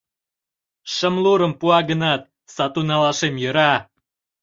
Шымлурым пуа гынат, сату налашем йӧра.